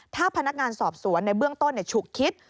ถ้าพนักงานสอบสวนในเบื้องต้นฉุกคิด